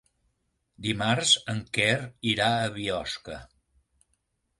Dimarts en Quer irà a Biosca.